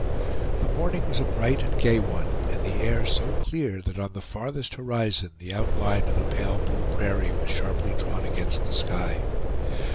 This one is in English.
The morning was a bright and gay one, and the air so clear that on the farthest horizon the outline of the pale blue prairie was sharply drawn against the sky.